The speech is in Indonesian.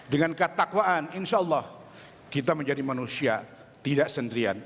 dengan ketakwaan insya allah kita menjadi manusia tidak sendirian